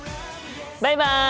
バイバイ！